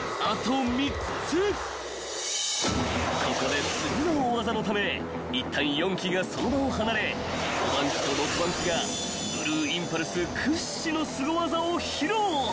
［ここで次の大技のためいったん４機がその場を離れ５番機と６番機がブルーインパルス屈指の］